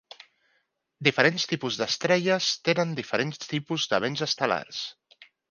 Diferents tipus d'estrelles tenen diferents tipus de vents estel·lars.